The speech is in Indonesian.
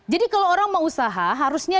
jadi kalau orang mau usaha harusnya